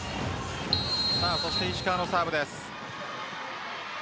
そして石川のサーブです。